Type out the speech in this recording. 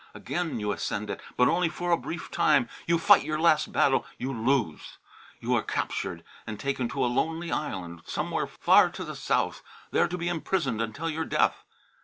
Again you ascend it, but only for a brief time. You fight your last battle; you lose! You are captured and taken to a lonely island somewhere far to the south, there to be imprisoned until your death.